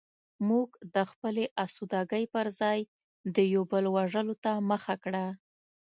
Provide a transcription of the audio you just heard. موږ د خپلې اسودګۍ پرځای د یو بل وژلو ته مخه کړه